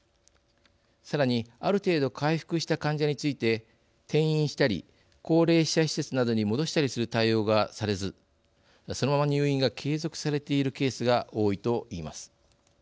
さらにある程度回復した患者について転院したり高齢者施設などに戻したりする対応がされずそのまま入院が継続されているケースが多いと言います。